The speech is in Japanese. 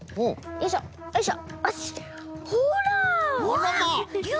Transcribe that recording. よいしょよいしょ。